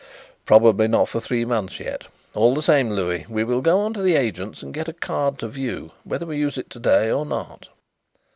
"Probably not for three months yet. All the same, Louis, we will go on to the agents and get a card to view whether we use it to day or not."